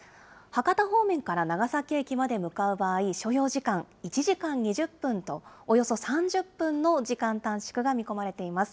博多方面から長崎駅まで向かう場合、所要時間１時間２０分と、およそ３０分の時間短縮が見込まれています。